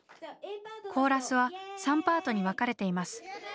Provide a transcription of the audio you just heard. コーラスは３パートに分かれています。